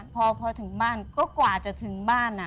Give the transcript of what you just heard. พอถึงบ้านก็กว่าจะถึงบ้าน